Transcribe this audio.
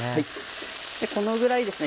このぐらいですね